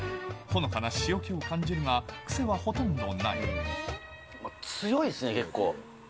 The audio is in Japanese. ほのかな塩気を感じるが、癖はほ強いっすね、結構。